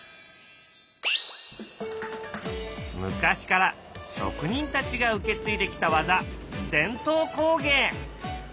昔から職人たちが受け継いできた技伝統工芸。